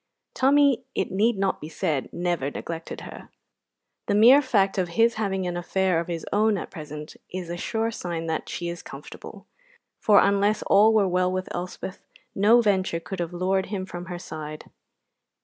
Tommy, it need not be said, never neglected her. The mere fact of his having an affair of his own at present is a sure sign that she is comfortable, for, unless all were well with Elspeth, no venture could have lured him from her side.